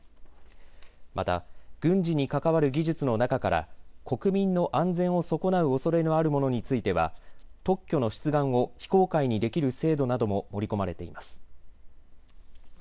また軍事に関わる技術の中から国民の安全を損なうおそれのあるものについては、特許の出願を非公開にできる制度なども盛り込まれています。